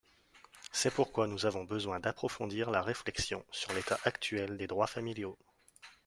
C’est pourquoi nous avons besoin d’approfondir la réflexion sur l’état actuel des droits familiaux.